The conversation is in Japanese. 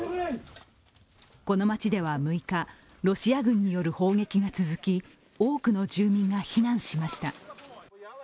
この町では、６日ロシア軍による砲撃が続き多くの住民が避難しました。